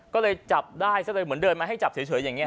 ก็เลยจับได้ซะเลยเหมือนเดินมาให้จับเฉยอย่างนี้